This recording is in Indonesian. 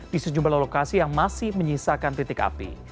di sejumlah lokasi yang masih menyisakan titik api